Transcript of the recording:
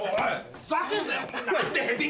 ふざけんなよ。